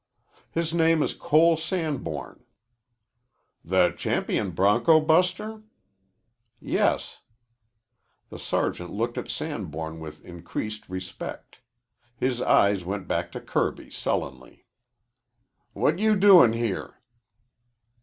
"His name is Cole Sanborn." "The champion bronco buster?" "Yes." The sergeant looked at Sanborn with increased respect. His eyes went back to Kirby sullenly. "What you doing here?"